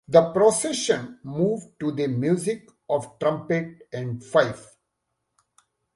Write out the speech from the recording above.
The procession moved to the music of trumpet and fife.